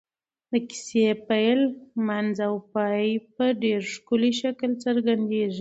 د کيسې پيل منځ او پای په ډېر ښه شکل څرګندېږي.